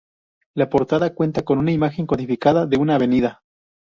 La portada cuenta con una imagen codificada de una avenida.